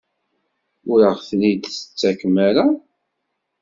Ur aɣ-ten-id-tettakem ara?